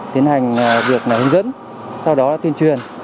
tiến hành việc hướng dẫn sau đó tuyên truyền